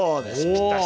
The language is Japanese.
ぴったし。